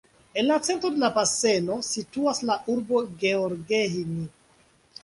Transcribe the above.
En la centro de la baseno situas la urbo Gheorgheni.